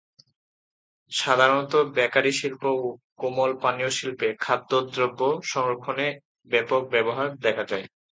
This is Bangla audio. সাধারণত বেকারি শিল্প ও কোমল পানীয় শিল্পে খাদ্যদ্রব্য সংরক্ষণে এর ব্যাপক ব্যবহার দেখা যায়।